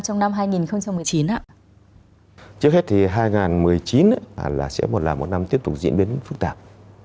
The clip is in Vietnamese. trước hết thì hai nghìn một mươi chín sẽ là một năm tiếp tục diễn biến phức tạp